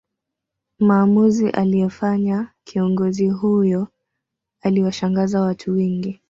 Maamuzi aliyefanya kiongozi huyo aliwashangaza watu wengi